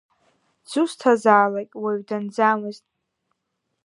Дзусҭазаалак уаҩы данӡамызт.